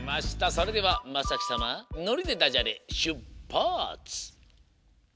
それではまさきさま「のり」でダジャレしゅっぱつ！